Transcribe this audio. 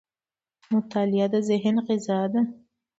• مطالعه د ذهن غذا ده.